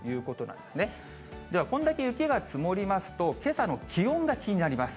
ではこんだけ雪が積もりますと、けさの気温が気になります。